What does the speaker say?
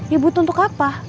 ya butuh untuk apa